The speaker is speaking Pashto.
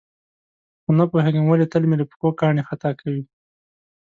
خو نه پوهېږم ولې تل مې له پښو کاڼي خطا کوي.